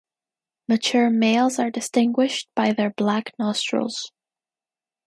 Mature males are distinguished by their black nostrils.